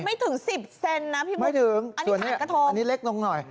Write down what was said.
ไม่ถึงสิบเซนนะพี่มุกอันนี้ผ่านกระทงไม่ถึงอันนี้เล็กลงหน่อย